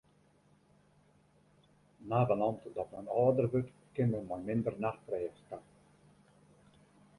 Navenant dat men âlder wurdt, kin men mei minder nachtrêst ta.